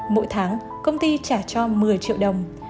mỗi tháng công ty trả cho một mươi triệu đồng